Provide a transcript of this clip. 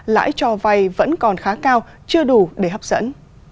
lãi cho vay vẫn còn khá cao chưa đủ để hấp dẫn